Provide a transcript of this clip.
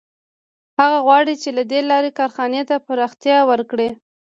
هغه غواړي چې له دې لارې کارخانې ته پراختیا ورکړي